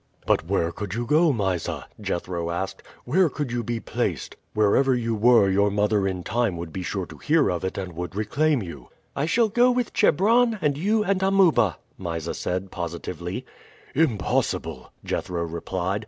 "But where could you go, Mysa?" Jethro asked. "Where could you be placed? Wherever you were your mother in time would be sure to hear of it and would reclaim you." "I shall go with Chebron, and you, and Amuba," Mysa said positively. "Impossible!" Jethro replied.